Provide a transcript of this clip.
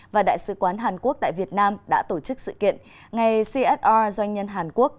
và đại sứ quán hàn quốc tại việt nam đã tổ chức sự kiện ngày csr doanh nhân hàn quốc